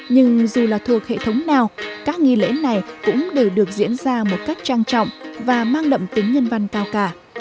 nhưng dù là thuộc hệ thống nào các nghi lễ này cũng đều được diễn ra một cách trang trọng và mang đậm tính nhân văn cao cả